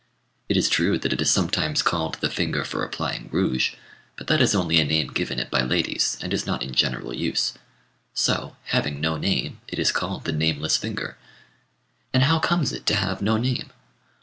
It is true that it is sometimes called the finger for applying rouge; but that is only a name given it by ladies, and is not in general use. So, having no name, it is called the nameless finger. And how comes it to have no name?